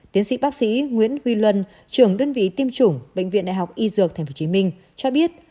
tiến sĩ bác sĩ nguyễn huy luân trưởng đơn vị tiêm chủng bệnh viện đại học y dược tp hcm cho biết